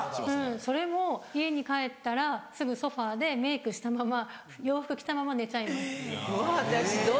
それも家に帰ったらすぐソファでメイクしたまま洋服着たまま寝ちゃいます。